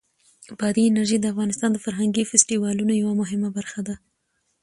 بادي انرژي د افغانستان د فرهنګي فستیوالونو یوه مهمه برخه ده.